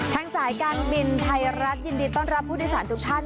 สายการบินไทยรัฐยินดีต้อนรับผู้โดยสารทุกท่าน